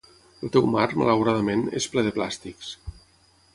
El teu mar, malauradament, és ple de plàstics.